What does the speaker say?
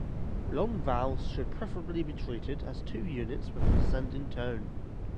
Long vowels should preferably be treated as two units with an ascending tone.